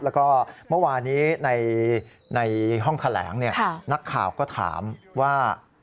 แล้วก็เมื่อวานี้ในห้องแถลงนักข่าวก็ถามว่า